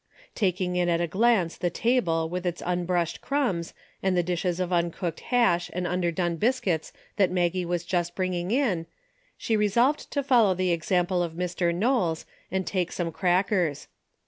Taking in at a glance the table with its un brushed crumbs, and the dishes of uncooked hash and underdone biscuits that Maggie was just bringing in, she resolved to follow the ex ample of Mr. Knowles and take some crackers.